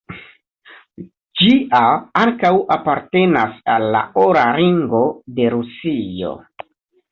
Ĝia ankaŭ apartenas al la Ora Ringo de Rusio.